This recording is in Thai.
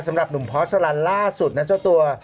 สำหรับหนุ่มพอสลันล่าสุดนะเจ้าตัว